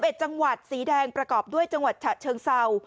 จังหวัดสีแดงประกอบด้วยจังหวัดฉะเชิงเศร้า